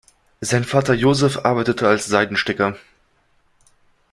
Sein Vater Joseph arbeitete als Seidensticker.